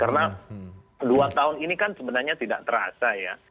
karena dua tahun ini kan sebenarnya tidak terasa ya